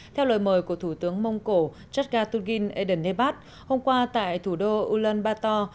theo lời mời của thủ tướng mông cổ chagatulgin edenebat hôm qua tại thủ đô ulaanbaatar